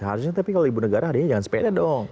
harusnya tapi kalau ibu negara adanya jangan sepeda dong